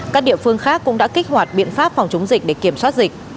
các địa phương khác cũng đã kích hoạt biện pháp phòng chống dịch để kiểm soát dịch